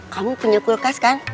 kamu punya kulkas kan